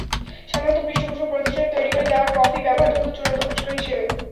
সাধারণত পৃষ্ঠপোষক প্রতিষ্ঠানের তৈরি করে দেওয়া ট্রফিই ব্যবহৃত হতো চূড়ান্ত পুরস্কার হিসেবে।